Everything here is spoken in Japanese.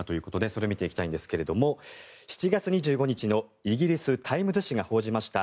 それを見ていきたいんですが７月２５日のイギリスタイムズ紙が報じました